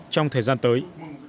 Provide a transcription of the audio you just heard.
trong thời gian tới